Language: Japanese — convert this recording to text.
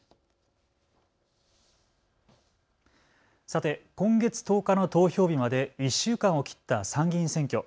さて今月１０日の投票日まで１週間を切った参議院選挙。